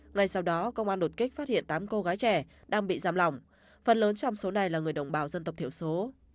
ngay sau đó công an đột kích phát hiện tám cô gái trẻ đang bị giam lỏng phần lớn trong số này là người đồng bào dân tộc thiểu số